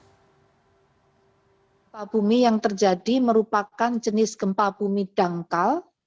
gempa bumi yang terjadi merupakan jenis gempa bumi dangkal